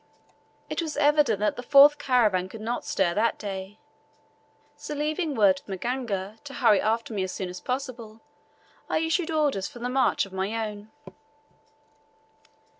It was evident that the fourth caravan could not stir that day, so leaving word with Magauga to hurry after me as soon as possible, I issued orders for the march of my own.